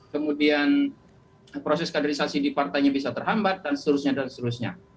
kemudian proses kaderisasi di partainya bisa terhambat dan seterusnya